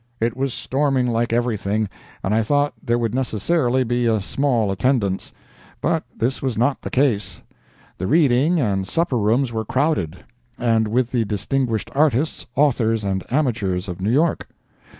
It was storming like everything, and I thought there would necessarily be a small attendance, but this was not the case; the reading and supper rooms were crowded, and with the distinguished artists, authors and amateurs of New York.